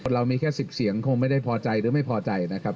เรามีแค่๑๐เสียงคงไม่ได้พอใจหรือไม่พอใจนะครับ